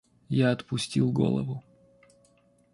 Я отпустил голову.